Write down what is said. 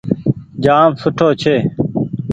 جآم سوٺو ڇي۔